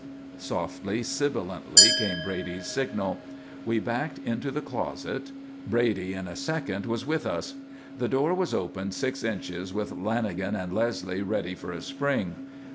Softly, sibilantly, came Brady's signal. We backed into the closet. Brady in a second was with us. The door was opened six inches with Lanagan and Leslie ready for a spring.